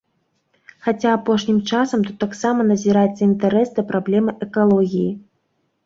Хаця апошнім часам тут таксама назіраецца інтарэс да праблемы экалогіі.